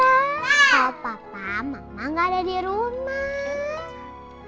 kalau papa mama gak ada di rumah